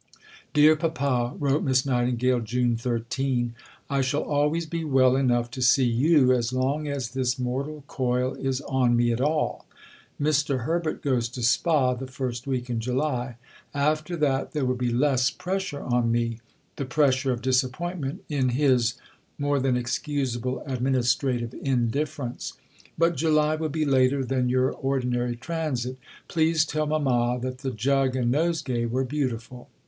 "Dear Papa," wrote Miss Nightingale (June 13), "I shall always be well enough to see you as long as this mortal coil is on me at all. Mr. Herbert goes to Spa the first week in July. After that, there will be less pressure on me the pressure of disappointment in his (more than excusable) administrative indifference. But July will be later than your ordinary transit. Please tell Mama that the jug and nosegay were beautiful."